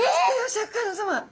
シャーク香音さま！